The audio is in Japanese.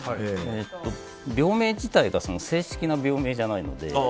病名自体が正式な病名じゃないので。